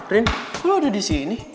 rin lu ada disini